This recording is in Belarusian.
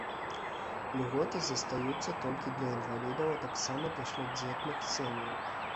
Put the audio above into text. Льготы застаюцца толькі для інвалідаў, а таксама для шматдзетных сем'яў.